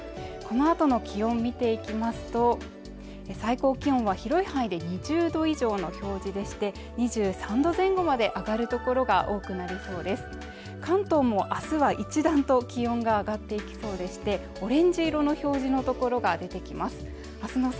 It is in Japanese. このあとの気温見ていきますと最高気温は広い範囲で２０度以上の表示でして２３度前後まで上がる所が多くなりそうです関東も明日は一段と気温が上がっていきそうでしてオレンジ色の表示の所が出てきます